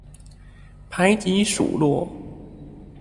排擠數落